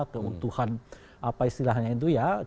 keutuhan apa istilahnya itu ya